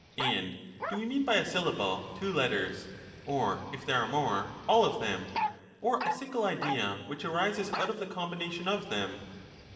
And do we mean by a syllable two letters, or if there are more, all of them, or a single idea which arises out of the combination of them